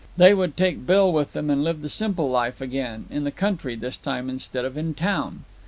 They would take Bill with them and live the simple life again, in the country this time instead of in town.